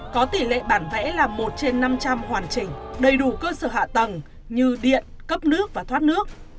có tỷ lệ bản vẽ là một trên năm trăm linh hoàn chỉnh đầy đủ cơ sở hạ tầng như điện cấp nước và thoát nước